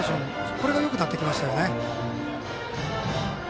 これがよくなってきましたよね。